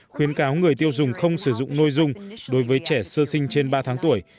khuyến cáo người tiêu dùng không sử dụng nôi dung đối với trẻ sơ sinh trên ba tháng tuổi